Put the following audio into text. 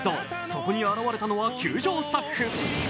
そこに現れたのは球場スタッフ。